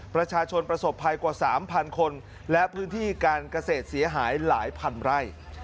ประสบภัยกว่า๓๐๐คนและพื้นที่การเกษตรเสียหายหลายพันไร่